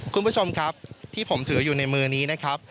คุณผู้ชมครับที่ผมถืออยู่ในมือนี้นะครับ